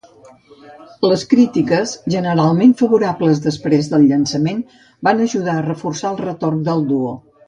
Les crítiques generalment favorables després del llançament van ajudar a reforçar el retorn del duo.